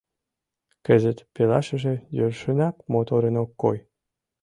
Кызыт пелашыже йӧршынак моторын ок кой.